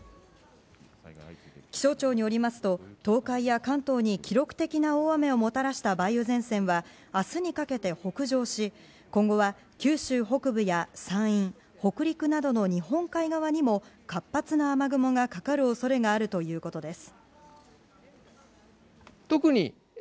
気象庁によりますと東海や関東に記録的な大雨をもたらした梅雨前線は明日にかけて北上し今後は九州北部や山陰、北陸などの日本海側にも活発な雨雲がかかる恐れがあるということです。